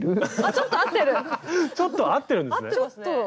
ちょっと合ってるんですね。